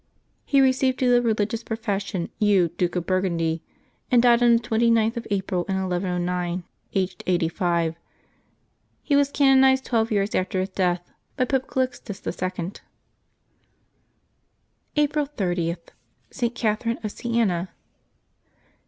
He received to the religious profession Hugh, Duke of Burgundy, and died on the twenty ninth of April, in 1109, aged eighty five. He was canonized twelve years after his death by Pope Calixtus II. April 30.— ST. CATHERINE OF SIENA.